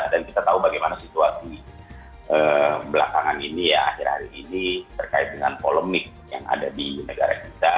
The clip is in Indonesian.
dan kita tahu bagaimana situasi belakangan ini ya akhir akhir ini terkait dengan polemik yang ada di negara kita